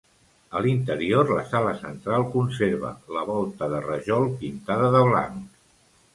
A l’interior la sala central conserva la volta de rajol pintada de blanc.